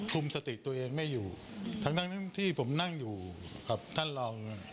สติตัวเองไม่อยู่ทั้งที่ผมนั่งอยู่กับท่านรอง